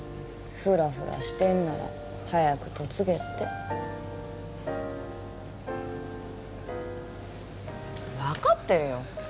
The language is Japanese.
フラフラしてんなら早く嫁げって分かってるよ